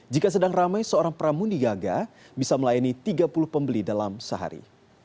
jika sedang ramai seorang pramundi gaga bisa melayani tiga puluh pembeli dalam sehari